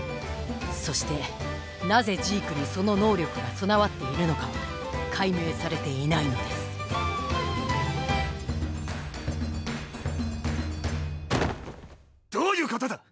そしてなぜジークにその能力が備わっているのかは解明されていないのですどういうことだ！！